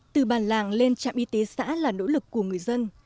từ bàn làng lên trạm y tế xã là nỗ lực của người dân